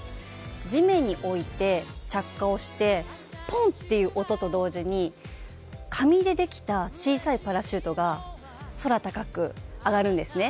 地面に置いて着火をしてぽんっていう音と同時に紙でできたパラシュートが空高く上がるんですね。